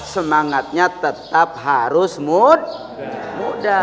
semangatnya tetap harus muda